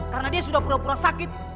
karena dia sudah pura pura sakit